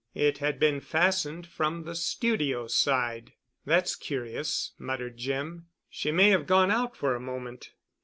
It had been fastened from the studio side. "That's curious," muttered Jim. "She may have gone out for a moment."